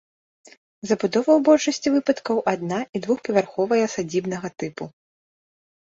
Забудова ў большасці выпадкаў адна- і двухпавярховая сядзібнага тыпу.